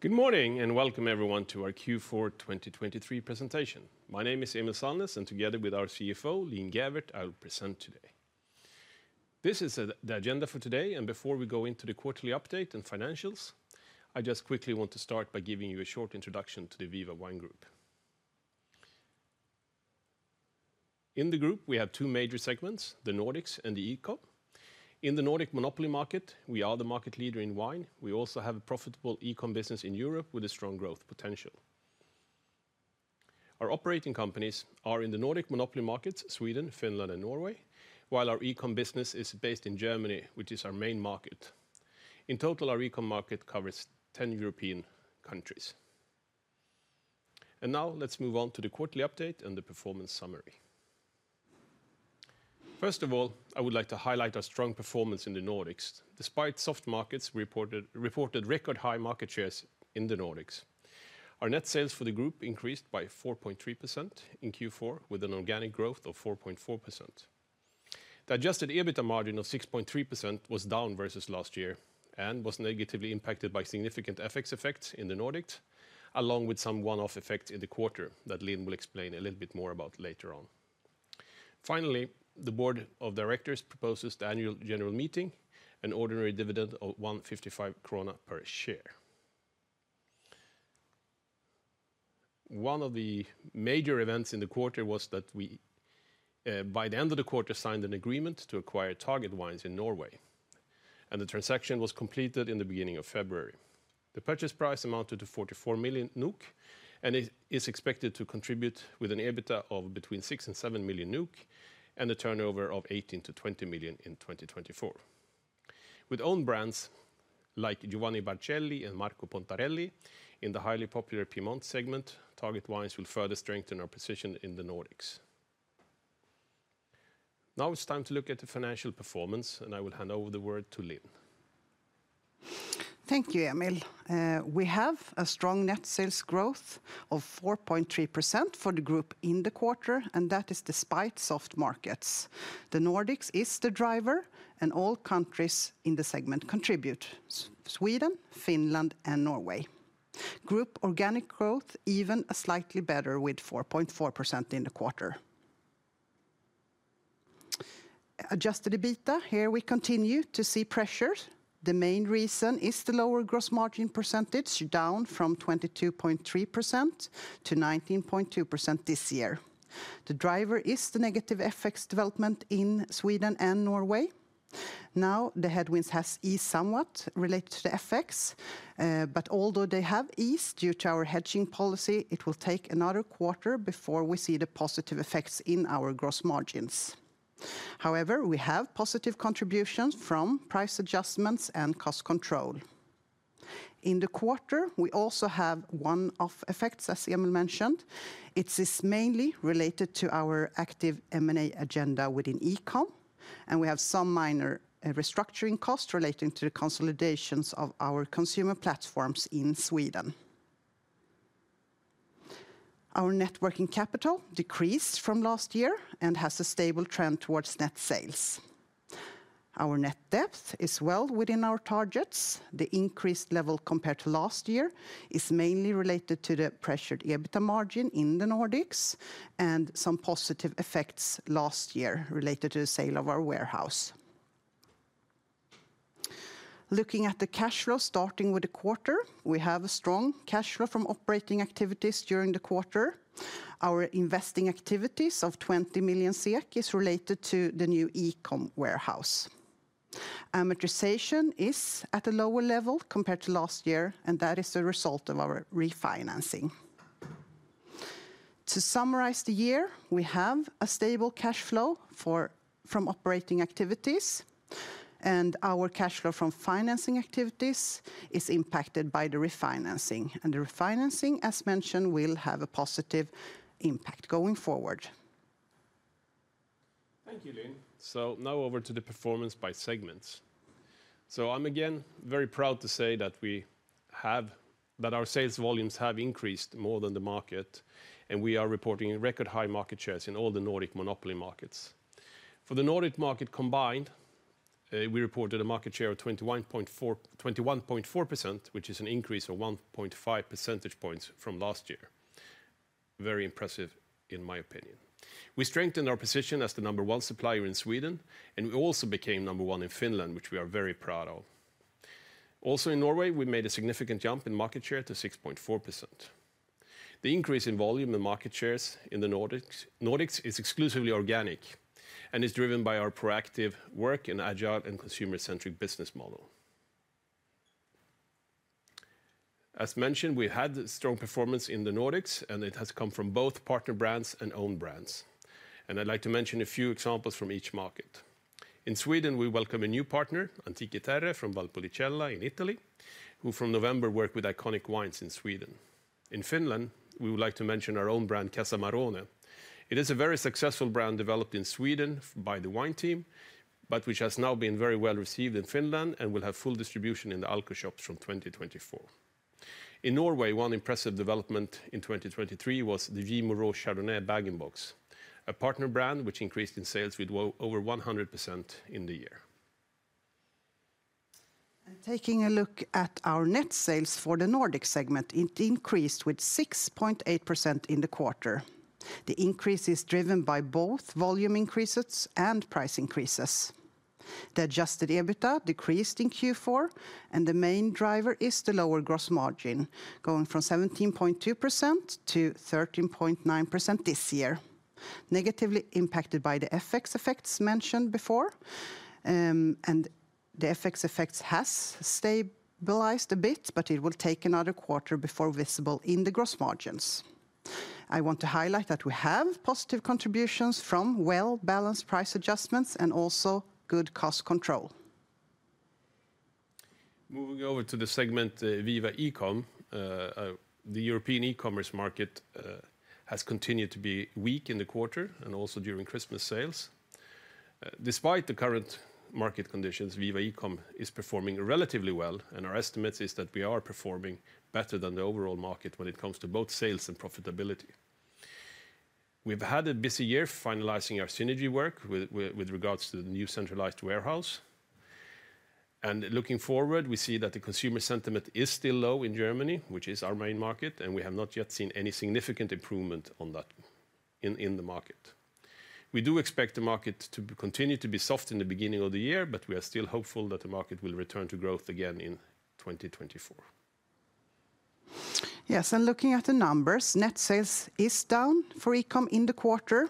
Good morning and welcome everyone to our Q4 2023 presentation. My name is Emil Sallnäs, and together with our CFO, Linn Gäfvert, I will present today. This is the agenda for today, and before we go into the quarterly update and financials, I just quickly want to start by giving you a short introduction to the Viva Wine Group. In the group, we have two major segments: the Nordics and the eCom. In the Nordic monopoly market, we are the market leader in wine. We also have a profitable eCom business in Europe with a strong growth potential. Our operating companies are in the Nordic monopoly markets: Sweden, Finland, and Norway, while our eCom business is based in Germany, which is our main market. In total, our eCom market covers 10 European countries. Now let's move on to the quarterly update and the performance summary. First of all, I would like to highlight our strong performance in the Nordics. Despite soft markets, we reported record-high market shares in the Nordics. Our net sales for the group increased by 4.3% in Q4, with an organic growth of 4.4%. The adjusted EBITDA margin of 6.3% was down versus last year and was negatively impacted by significant FX effects in the Nordics, along with some one-off effects in the quarter that Linn will explain a little bit more about later on. Finally, the board of directors proposes the annual general meeting, an ordinary dividend of 1.55 krona per share. One of the major events in the quarter was that we, by the end of the quarter, signed an agreement to acquire Target Wines in Norway, and the transaction was completed in the beginning of February. The purchase price amounted to 44 million NOK, and it is expected to contribute with an EBITDA of between 6 million and 7 million NOK and a turnover of 18 million-20 million in 2024. With own brands like Giovanni Barcelli and Marco Pontarelli in the highly popular Piemonte segment, Target Wines will further strengthen our position in the Nordics. Now it's time to look at the financial performance, and I will hand over the word to Linn. Thank you, Emil. We have a strong net sales growth of 4.3% for the group in the quarter, and that is despite soft markets. The Nordics is the driver, and all countries in the segment contribute: Sweden, Finland, and Norway. Group organic growth even slightly better, with 4.4% in the quarter. Adjusted EBITDA, here we continue to see pressure. The main reason is the lower gross margin percentage, down from 22.3% to 19.2% this year. The driver is the negative FX development in Sweden and Norway. Now, the headwinds have eased somewhat related to the FX, but although they have eased due to our hedging policy, it will take another quarter before we see the positive effects in our gross margins. However, we have positive contributions from price adjustments and cost control. In the quarter, we also have one-off effects, as Emil mentioned. It is mainly related to our active M&A agenda within eCom, and we have some minor restructuring costs relating to the consolidations of our consumer platforms in Sweden. Our net working capital decreased from last year and has a stable trend towards net sales. Our net debt is well within our targets. The increased level compared to last year is mainly related to the pressured EBITDA margin in the Nordics and some positive effects last year related to the sale of our warehouse. Looking at the cash flow starting with the quarter, we have a strong cash flow from operating activities during the quarter. Our investing activities of 20 million SEK are related to the new eCom warehouse. Amortization is at a lower level compared to last year, and that is a result of our refinancing. To summarize the year, we have a stable cash flow from operating activities, and our cash flow from financing activities is impacted by the refinancing. The refinancing, as mentioned, will have a positive impact going forward. Thank you, Linn. So now over to the performance by segments. So I'm again very proud to say that our sales volumes have increased more than the market, and we are reporting record-high market shares in all the Nordic monopoly markets. For the Nordic market combined, we reported a market share of 21.4%, which is an increase of 1.5 percentage points from last year. Very impressive, in my opinion. We strengthened our position as the number one supplier in Sweden, and we also became number one in Finland, which we are very proud of. Also in Norway, we made a significant jump in market share to 6.4%. The increase in volume and market shares in the Nordics is exclusively organic and is driven by our proactive work and agile and consumer-centric business model. As mentioned, we've had strong performance in the Nordics, and it has come from both partner brands and owned brands. I'd like to mention a few examples from each market. In Sweden, we welcome a new partner, Antiche Terre from Valpolicella in Italy, who from November worked with Iconic Wines in Sweden. In Finland, we would like to mention our own brand, Casa Marrone. It is a very successful brand developed in Sweden by the wine team, but which has now been very well received in Finland and will have full distribution in the Alko shops from 2024. In Norway, one impressive development in 2023 was the J. Moreau Chardonnay bag-in-box, a partner brand which increased in sales with over 100% in the year. Taking a look at our net sales for the Nordic segment, it increased with 6.8% in the quarter. The increase is driven by both volume increases and price increases. The Adjusted EBITDA decreased in Q4, and the main driver is the lower gross margin, going from 17.2%-13.9% this year, negatively impacted by the FX effects mentioned before. The FX effects have stabilized a bit, but it will take another quarter before visible in the gross margins. I want to highlight that we have positive contributions from well-balanced price adjustments and also good cost control. Moving over to the segment Viva eCom, the European e-commerce market has continued to be weak in the quarter and also during Christmas sales. Despite the current market conditions, Viva eCom is performing relatively well, and our estimates are that we are performing better than the overall market when it comes to both sales and profitability. We've had a busy year finalizing our synergy work with regards to the new centralized warehouse. Looking forward, we see that the consumer sentiment is still low in Germany, which is our main market, and we have not yet seen any significant improvement in the market. We do expect the market to continue to be soft in the beginning of the year, but we are still hopeful that the market will return to growth again in 2024. Yes, and looking at the numbers, net sales are down for eCom in the quarter.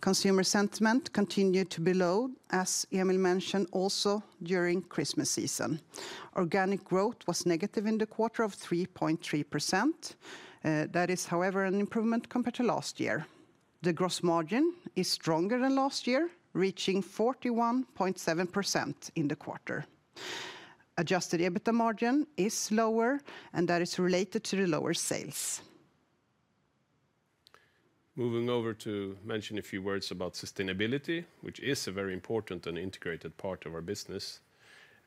Consumer sentiment continued to be low, as Emil mentioned, also during Christmas season. Organic growth was negative in the quarter of 3.3%. That is, however, an improvement compared to last year. The gross margin is stronger than last year, reaching 41.7% in the quarter. Adjusted EBITDA margin is lower, and that is related to the lower sales. Moving over to mention a few words about sustainability, which is a very important and integrated part of our business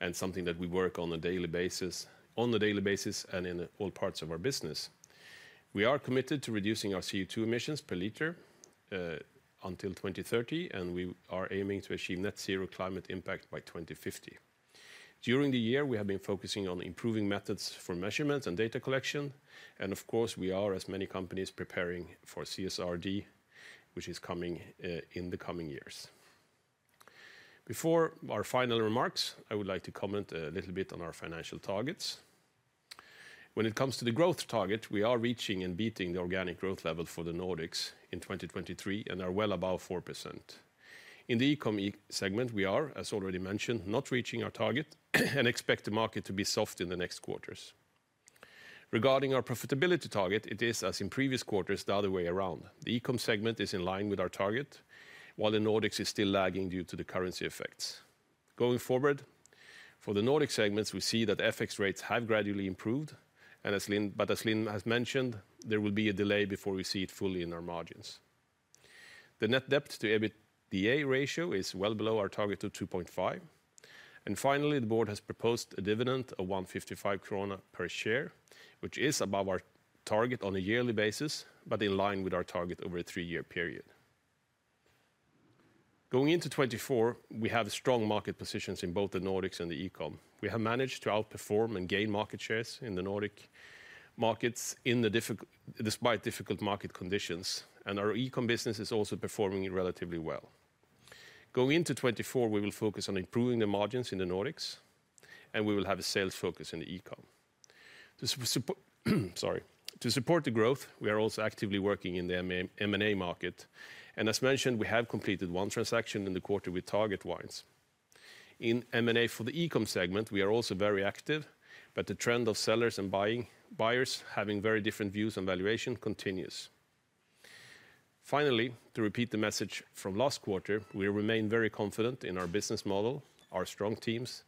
and something that we work on a daily basis and in all parts of our business. We are committed to reducing our CO2 emissions per liter until 2030, and we are aiming to achieve net zero climate impact by 2050. During the year, we have been focusing on improving methods for measurement and data collection. Of course, we are, as many companies, preparing for CSRD, which is coming in the coming years. Before our final remarks, I would like to comment a little bit on our financial targets. When it comes to the growth target, we are reaching and beating the organic growth level for the Nordics in 2023 and are well above 4%. In the eCom segment, we are, as already mentioned, not reaching our target and expect the market to be soft in the next quarters. Regarding our profitability target, it is, as in previous quarters, the other way around. The eCom segment is in line with our target, while the Nordics is still lagging due to the currency effects. Going forward, for the Nordic segments, we see that FX rates have gradually improved, but as Linn has mentioned, there will be a delay before we see it fully in our margins. The net debt to EBITDA ratio is well below our target of 2.5. And finally, the board has proposed a dividend of 1.55 krona per share, which is above our target on a yearly basis but in line with our target over a three-year period. Going into 2024, we have strong market positions in both the Nordics and the eCom. We have managed to outperform and gain market shares in the Nordic markets despite difficult market conditions, and our eCom business is also performing relatively well. Going into 2024, we will focus on improving the margins in the Nordics, and we will have a sales focus in the eCom. Sorry. To support the growth, we are also actively working in the M&A market. And as mentioned, we have completed one transaction in the quarter with Target Wines. In M&A for the eCom segment, we are also very active, but the trend of sellers and buyers having very different views on valuation continues. Finally, to repeat the message from last quarter, we remain very confident in our business model, our strong teams,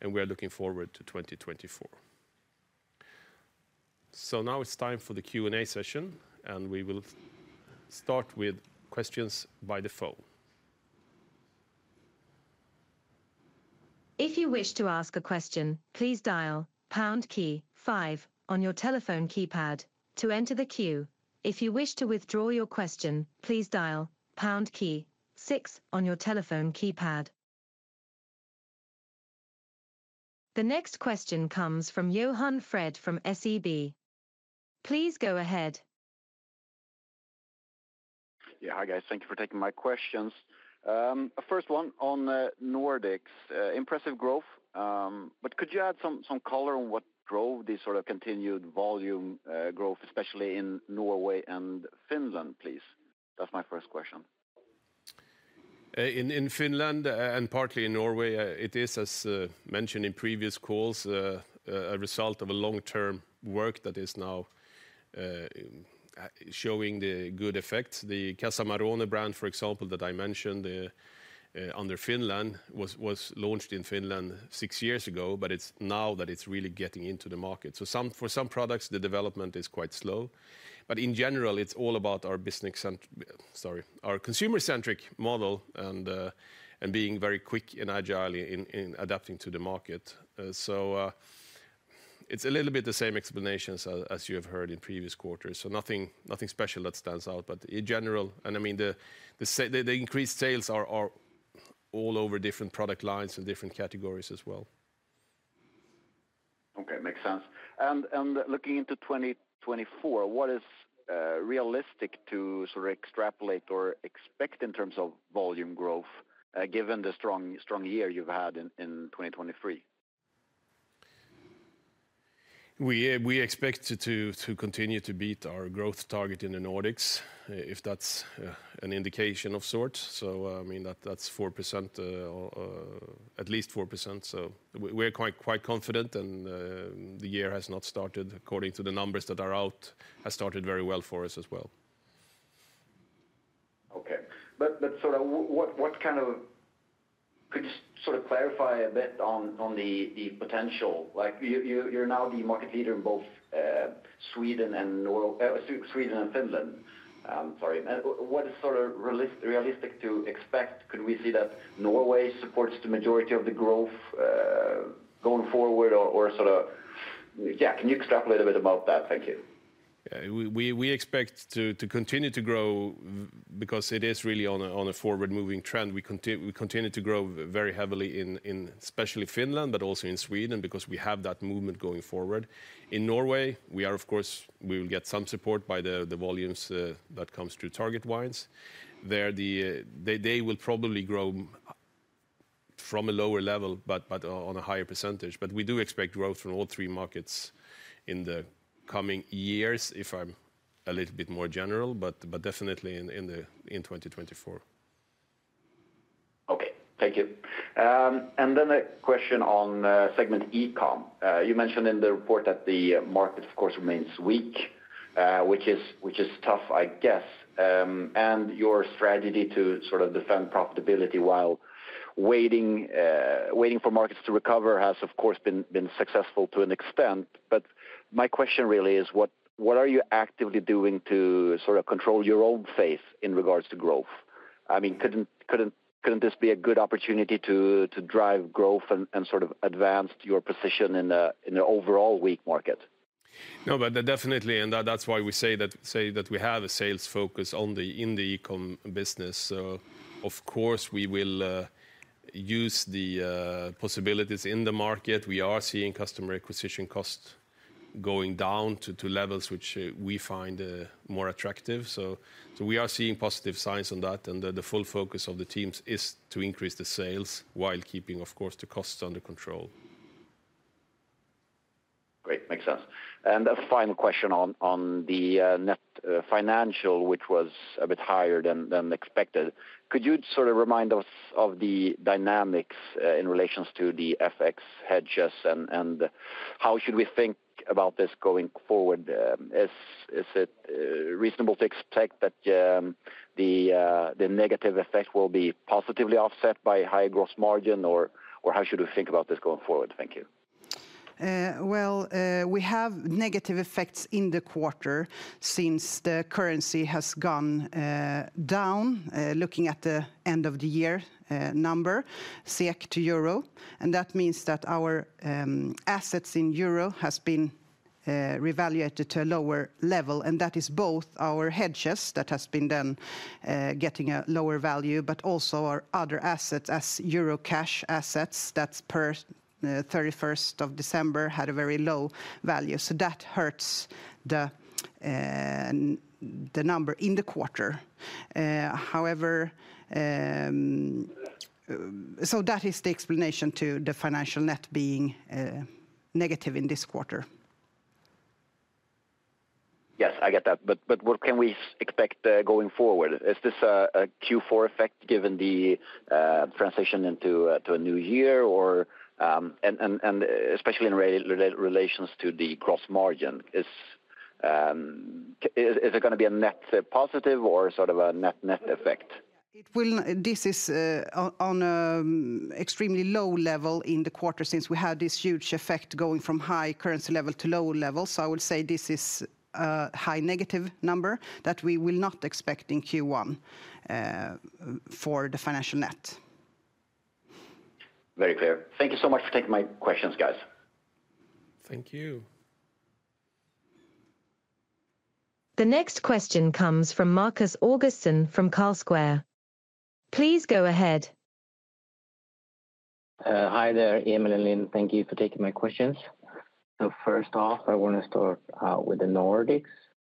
and we are looking forward to 2024. So now it's time for the Q&A session, and we will start with questions by the phone. If you wish to ask a question, please dial pound key five on your telephone keypad to enter the queue. If you wish to withdraw your question, please dial pound key six on your telephone keypad. The next question comes from Johan Fred from SEB. Please go ahead. Yeah, hi guys. Thank you for taking my questions. First one on Nordics. Impressive growth. But could you add some color on what drove this sort of continued volume growth, especially in Norway and Finland, please? That's my first question. In Finland and partly in Norway, it is, as mentioned in previous calls, a result of a long-term work that is now showing the good effects. The Casa Marrone brand, for example, that I mentioned under Finland, was launched in Finland six years ago, but it's now that it's really getting into the market. So for some products, the development is quite slow. But in general, it's all about our consumer-centric model and being very quick and agile in adapting to the market. So it's a little bit the same explanations as you have heard in previous quarters. So nothing special that stands out, but in general. And I mean, the increased sales are all over different product lines and different categories as well. Okay, makes sense. Looking into 2024, what is realistic to sort of extrapolate or expect in terms of volume growth given the strong year you've had in 2023? We expect to continue to beat our growth target in the Nordics if that's an indication of sorts. So I mean, that's 4%, at least 4%. So we're quite confident, and the year has not started, according to the numbers that are out, has started very well for us as well. Okay. But sort of what kind of could you sort of clarify a bit on the potential? You're now the market leader in both Sweden and Finland. Sorry. What is sort of realistic to expect? Could we see that Norway supports the majority of the growth going forward, or sort of yeah, can you extrapolate a bit about that? Thank you. Yeah, we expect to continue to grow because it is really on a forward-moving trend. We continue to grow very heavily, especially in Finland, but also in Sweden because we have that movement going forward. In Norway, of course, we will get some support by the volumes that come through Target Wines. They will probably grow from a lower level but on a higher percentage. But we do expect growth from all three markets in the coming years, if I'm a little bit more general, but definitely in 2024. Okay, thank you. And then a question on segment eCom. You mentioned in the report that the market, of course, remains weak, which is tough, I guess. And your strategy to sort of defend profitability while waiting for markets to recover has, of course, been successful to an extent. But my question really is, what are you actively doing to sort of control your own fate in regards to growth? I mean, couldn't this be a good opportunity to drive growth and sort of advance your position in the overall weak market? No, but definitely. And that's why we say that we have a sales focus in the eCom business. So of course, we will use the possibilities in the market. We are seeing customer acquisition costs going down to levels which we find more attractive. So we are seeing positive signs on that. And the full focus of the teams is to increase the sales while keeping, of course, the costs under control. Great, makes sense. A final question on the net financial, which was a bit higher than expected. Could you sort of remind us of the dynamics in relations to the FX hedges? And how should we think about this going forward? Is it reasonable to expect that the negative effect will be positively offset by high gross margin, or how should we think about this going forward? Thank you. Well, we have negative effects in the quarter since the currency has gone down, looking at the end-of-the-year number, SEK to euro. That means that our assets in euro have been revaluated to a lower level. That is both our hedges that have been then getting a lower value, but also our other assets as euro cash assets. That's per 31st of December had a very low value. That hurts the number in the quarter. However, that is the explanation to the financial net being negative in this quarter. Yes, I get that. But what can we expect going forward? Is this a Q4 effect given the transition into a new year, or especially in relation to the gross margin? Is it going to be a net positive or sort of a net-net effect? This is on an extremely low level in the quarter since we had this huge effect going from high currency level to low level. So I would say this is a high negative number that we will not expect in Q1 for the financial net. Very clear. Thank you so much for taking my questions, guys. Thank you. The next question comes from Markus Augustsson from Carlsquare. Please go ahead. Hi there, Emil and Linn. Thank you for taking my questions. So first off, I want to start out with the Nordics.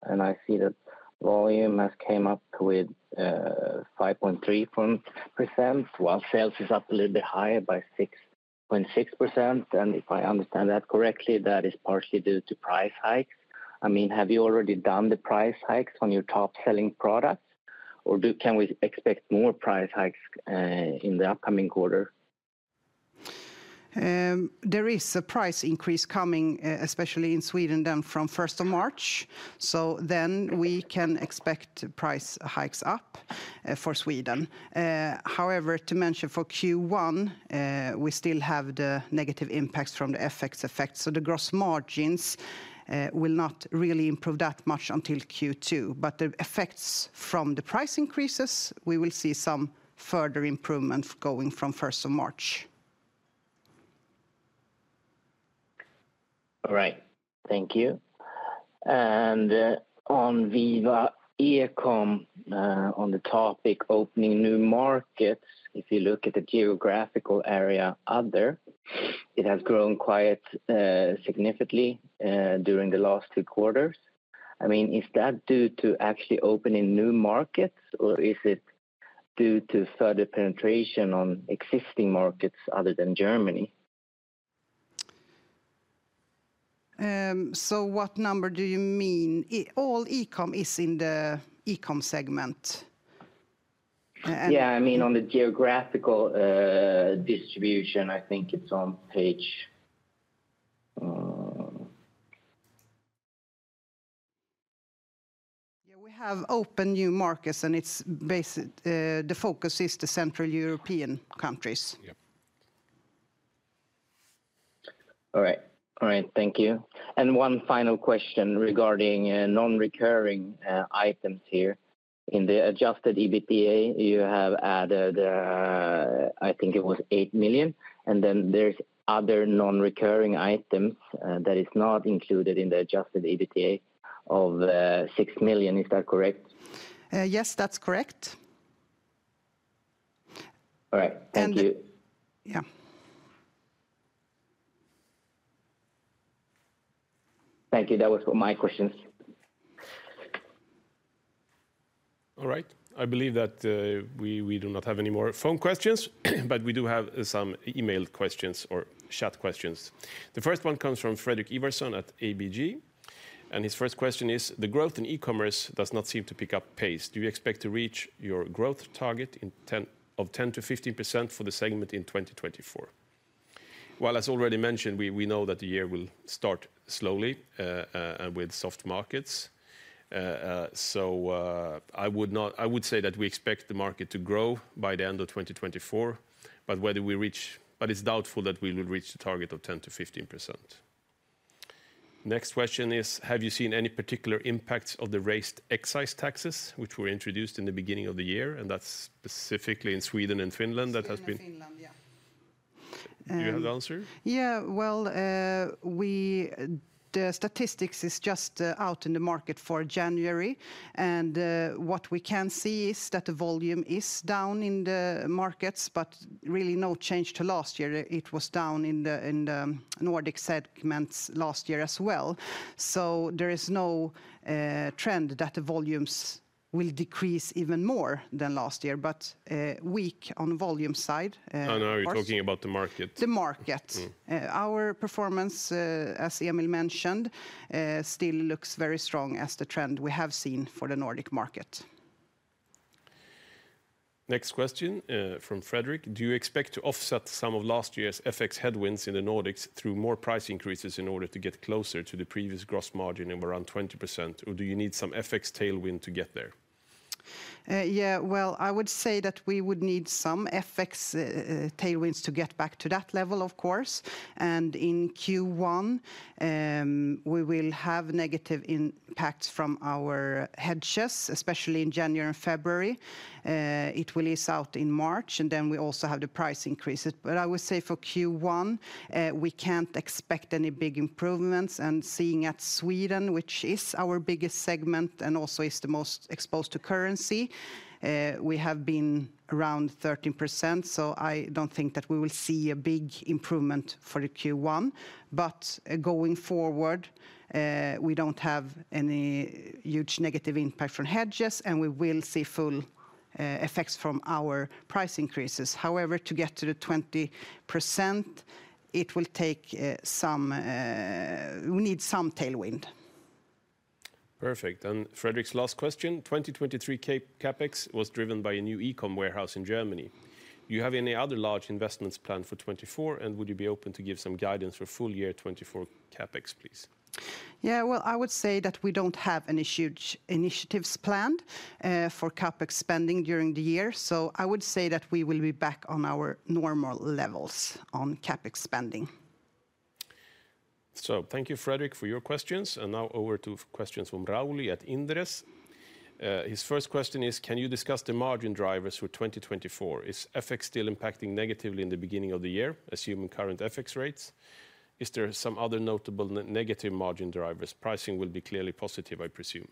I see that volume has came up with 5.3%, while sales are up a little bit higher by 6.6%. If I understand that correctly, that is partially due to price hikes. I mean, have you already done the price hikes on your top-selling products, or can we expect more price hikes in the upcoming quarter? There is a price increase coming, especially in Sweden then, from 1st March. So then we can expect price hikes up for Sweden. However, to mention for Q1, we still have the negative impacts from the FX effect. So the gross margins will not really improve that much until Q2. But the effects from the price increases, we will see some further improvement going from 1 March. All right, thank you. And on Viva eCom, on the topic opening new markets, if you look at the geographical area other, it has grown quite significantly during the last two quarters. I mean, is that due to actually opening new markets, or is it due to further penetration on existing markets other than Germany? What number do you mean? All eCom is in the eCom segment. Yeah, I mean, on the geographical distribution, I think it's on page. Yeah, we have opened new markets, and the focus is the Central European countries. All right. All right, thank you. One final question regarding non-recurring items here. In the Adjusted EBITDA, you have added, I think it was 8 million. And then there are other non-recurring items that are not included in the Adjusted EBITDA of 6 million. Is that correct? Yes, that's correct. All right. Thank you. And yeah. Thank you. That was my questions. All right. I believe that we do not have any more phone questions, but we do have some emailed questions or chat questions. The first one comes from Fredrik Ivarsson at ABG. His first question is, the growth in e-commerce does not seem to pick up pace. Do you expect to reach your growth target of 10%-15% for the segment in 2024? Well, as already mentioned, we know that the year will start slowly and with soft markets. So I would say that we expect the market to grow by the end of 2024, but whether we reach but it's doubtful that we will reach the target of 10%-15%. Next question is, have you seen any particular impacts of the raised excise taxes, which were introduced in the beginning of the year? And that's specifically in Sweden and Finland. That has been. In Finland, yeah. Do you have the answer? Yeah, well, the statistics are just out in the market for January. What we can see is that the volume is down in the markets, but really no change to last year. It was down in the Nordic segments last year as well. There is no trend that the volumes will decrease even more than last year, but weak on the volume side. Oh, no, you're talking about the market. The market. Our performance, as Emil mentioned, still looks very strong as the trend we have seen for the Nordic market. Next question from Fredrik. Do you expect to offset some of last year's FX headwinds in the Nordics through more price increases in order to get closer to the previous gross margin of around 20%, or do you need some FX tailwind to get there? Yeah, well, I would say that we would need some FX tailwinds to get back to that level, of course. And in Q1, we will have negative impacts from our hedges, especially in January and February. It will ease out in March, and then we also have the price increases. But I would say for Q1, we can't expect any big improvements. And seeing as Sweden, which is our biggest segment and also is the most exposed to currency, we have been around 13%. So I don't think that we will see a big improvement for Q1. But going forward, we don't have any huge negative impact from hedges, and we will see full effects from our price increases. However, to get to the 20%, it will take some we need some tailwind. Perfect. Fredrik's last question. 2023 CapEx was driven by a new eCom warehouse in Germany. Do you have any other large investments planned for 2024, and would you be open to give some guidance for full year 2024 CapEx, please? Yeah, well, I would say that we don't have any huge initiatives planned for CapEx spending during the year. I would say that we will be back on our normal levels on CapEx spending. Thank you, Fredrik, for your questions. Now over to questions from Rauli at Inderes. His first question is, can you discuss the margin drivers for 2024? Is FX still impacting negatively in the beginning of the year, assuming current FX rates? Is there some other notable negative margin drivers? Pricing will be clearly positive, I presume.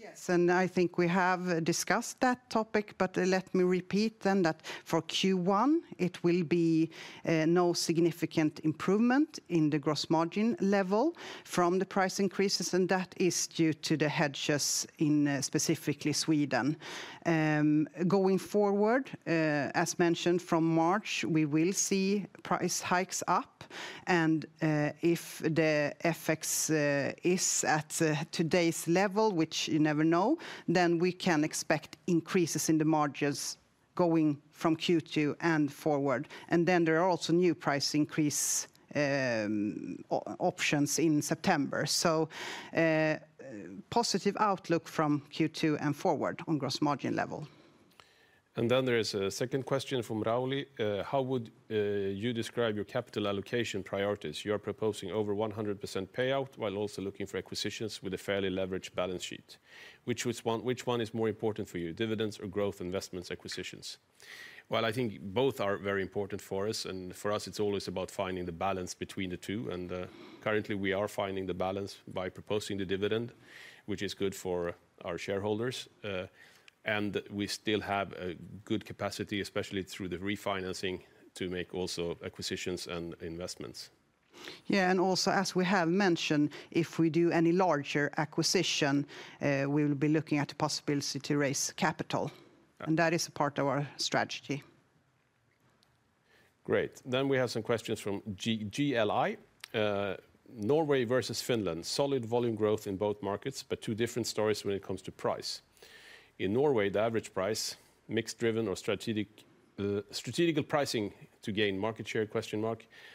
Yes, and I think we have discussed that topic. But let me repeat then that for Q1, it will be no significant improvement in the gross margin level from the price increases. That is due to the hedges in specifically Sweden. Going forward, as mentioned, from March, we will see price hikes up. If the FX is at today's level, which you never know, then we can expect increases in the margins going from Q2 and forward. Then there are also new price increase options in September. Positive outlook from Q2 and forward on gross margin level. Then there is a second question from Rauli. How would you describe your capital allocation priorities? You are proposing over 100% payout while also looking for acquisitions with a fairly leveraged balance sheet. Which one is more important for you, dividends or growth investments acquisitions? Well, I think both are very important for us. For us, it's always about finding the balance between the two. Currently, we are finding the balance by proposing the dividend, which is good for our shareholders. We still have a good capacity, especially through the refinancing, to make also acquisitions and investments. Yeah, and also, as we have mentioned, if we do any larger acquisition, we will be looking at the possibility to raise capital. That is a part of our strategy. Great. Then we have some questions from GLI. Norway versus Finland. Solid volume growth in both markets, but two different stories when it comes to price. In Norway, the average price (mix-driven or strategic pricing to gain market share?)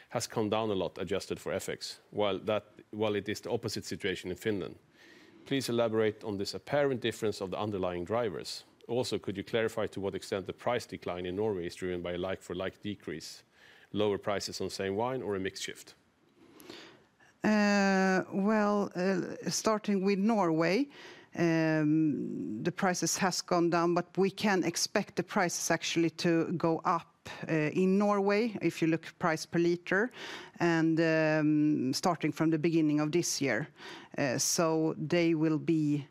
has come down a lot, adjusted for FX, while it is the opposite situation in Finland. Please elaborate on this apparent difference of the underlying drivers. Also, could you clarify to what extent the price decline in Norway is driven by a like-for-like decrease, lower prices on same wine, or a mix shift? Well, starting with Norway, the prices have gone down, but we can expect the prices actually to go up in Norway if you look at price per liter, starting from the beginning of this year. So they will be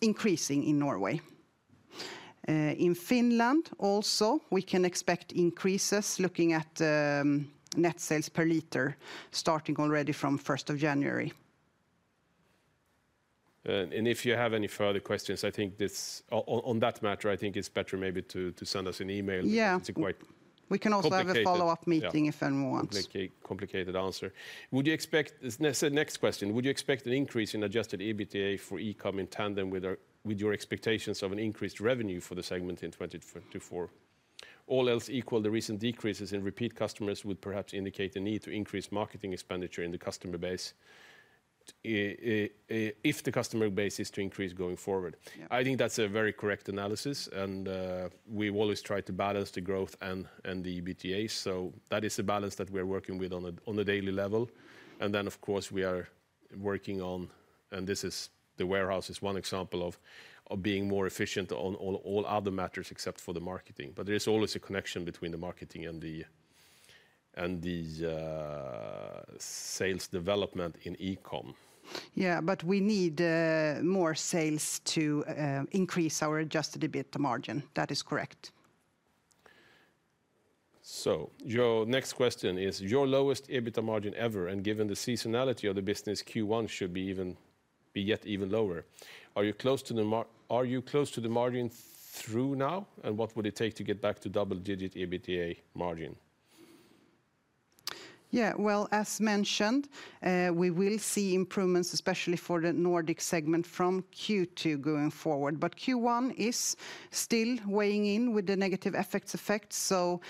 increasing in Norway. In Finland also, we can expect increases looking at net sales per liter starting already from 1st of January. If you have any further questions, I think on that matter, I think it's better maybe to send us an email. It's quite public. Yeah, we can also have a follow-up meeting if anyone wants. Complicated answer. Would you expect the next question? Would you expect an increase in Adjusted EBITDA for eCom in tandem with your expectations of an increased revenue for the segment in 2024? All else equal, the recent decreases in repeat customers would perhaps indicate a need to increase marketing expenditure in the customer base if the customer base is to increase going forward. I think that's a very correct analysis. We've always tried to balance the growth and the EBITDA. So that is a balance that we are working with on a daily level. Then, of course, we are working on, and this is, the warehouse is one example of being more efficient on all other matters except for the marketing. But there is always a connection between the marketing and the sales development in eCom. Yeah, but we need more sales to increase our Adjusted EBITDA margin. That is correct. Your next question is, your lowest EBITDA margin ever, and given the seasonality of the business, Q1 should be yet even lower. Are you close to the margin trough now? And what would it take to get back to double-digit EBITDA margin? Yeah, well, as mentioned, we will see improvements, especially for the Nordic segment, from Q2 going forward. But Q1 is still weighing in with the negative FX effect. So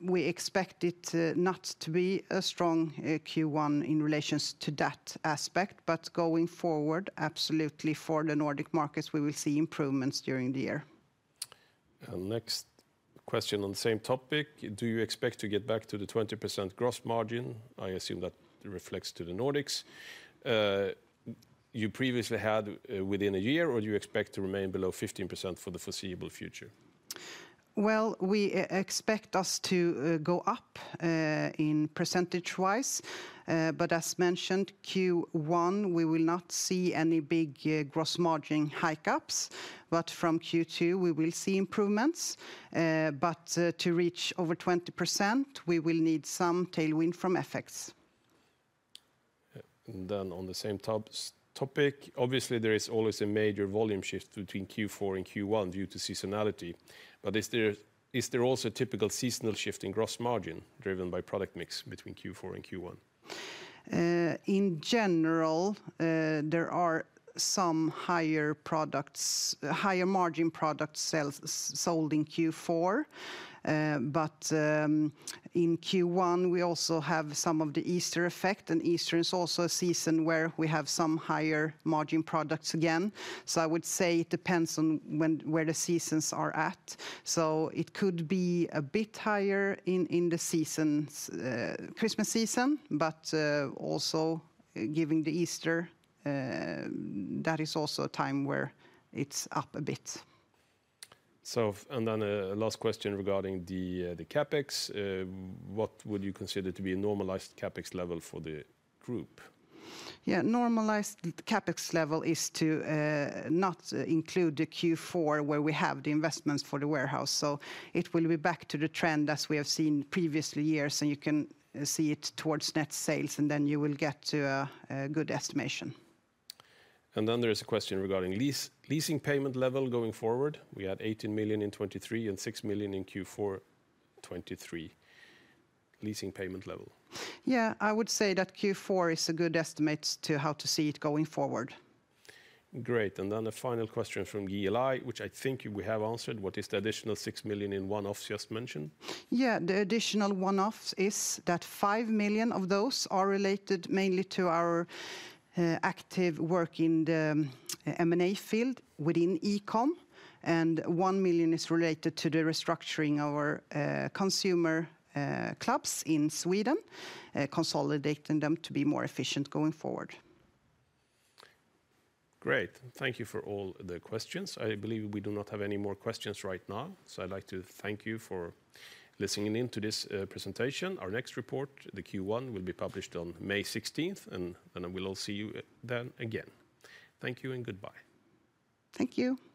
we expect it not to be a strong Q1 in relation to that aspect. But going forward, absolutely, for the Nordic markets, we will see improvements during the year. Next question on the same topic. Do you expect to get back to the 20% gross margin? I assume that reflects to the Nordics. You previously had within a year, or do you expect to remain below 15% for the foreseeable future? Well, we expect us to go up percentage-wise. But as mentioned, Q1, we will not see any big gross margin hike-ups. But from Q2, we will see improvements. But to reach over 20%, we will need some tailwind from FX. Then on the same topic, obviously, there is always a major volume shift between Q4 and Q1 due to seasonality. Is there also a typical seasonal shift in gross margin driven by product mix between Q4 and Q1? In general, there are some higher margin products sold in Q4. But in Q1, we also have some of the Easter effect. And Easter is also a season where we have some higher margin products again. So I would say it depends on where the seasons are at. So it could be a bit higher in the Christmas season. But also given the Easter, that is also a time where it's up a bit. A last question regarding the CapEx. What would you consider to be a normalized CapEx level for the group? Yeah, normalized CapEx level is to not include the Q4 where we have the investments for the warehouse. So it will be back to the trend as we have seen previous years. You can see it towards net sales, and then you will get to a good estimation. Then there is a question regarding leasing payment level going forward. We had 18 million in 2023 and 6 million in Q4 2023. Leasing payment level. Yeah, I would say that Q4 is a good estimate to how to see it going forward. Great. And then a final question from GLI, which I think we have answered. What is the additional 6 million in one-offs you just mentioned? Yeah, the additional one-offs is that 5 million of those are related mainly to our active work in the M&A field within eCom. And 1 million is related to the restructuring of our consumer clubs in Sweden, consolidating them to be more efficient going forward. Great. Thank you for all the questions. I believe we do not have any more questions right now. So I'd like to thank you for listening in to this presentation. Our next report, the Q1, will be published on May 16. And then we'll all see you then again. Thank you and goodbye. Thank you.